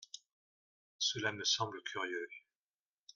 Cela me semble curieux.